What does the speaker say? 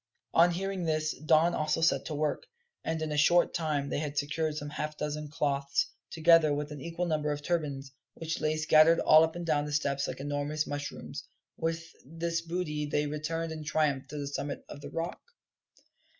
On hearing this Don also set to work, and in a short time they had secured some half dozen cloths, together with an equal number of turbans, which lay scattered all up and down the steps like enormous mushrooms. With this booty they returned in triumph to the summit of the rock.